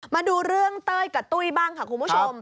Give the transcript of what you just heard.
มาดูเรื่องเต้ยกับตุ้ยบ้างค่ะคุณผู้ชม